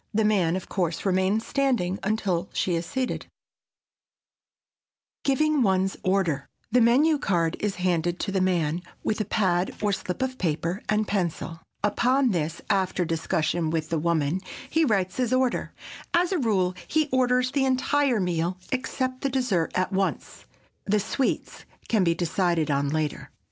The man, of course, remains standing until she is seated. [Sidenote: GIVING ONE'S ORDER] The menu card is handed to the man, with a pad or slip of paper and pencil. Upon this, after discussion with the woman, he writes his order. As a rule he orders the entire meal, except the dessert, at once. The sweets can be decided on later.